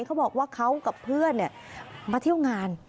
เขาบอกว่าเขากับเพื่อนมาเที่ยวงาน